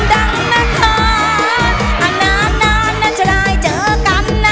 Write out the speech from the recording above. ดังนะค่ะนานนานนานชะลายเจอกันนะ